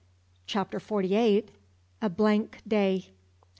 CHAPTER FORTY EIGHT. A BLANK DAY.